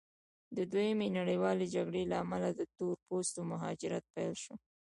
د دویمې نړیوالې جګړې له امله د تور پوستو مهاجرت پیل شو.